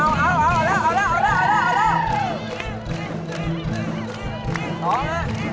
เรากำลังกายอดทนของทุกคนที่รองพลิก